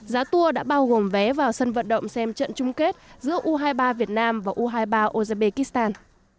giá tour đã bao gồm vé vào sân vận động xem trận chung kết giữa u hai mươi ba việt nam và u hai mươi ba ozbekistan